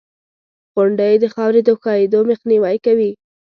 • غونډۍ د خاورې د ښویېدو مخنیوی کوي.